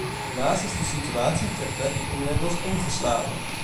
Helaas is de situatie ter plekke inmiddels omgeslagen.